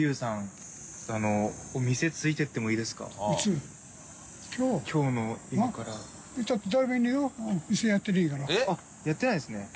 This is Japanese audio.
┐叩あっやってないんですね。